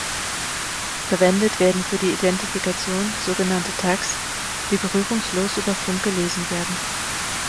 Verwendet werden für die Identifikation sogenannte Tags, die berührungslos über Funk gelesen werden.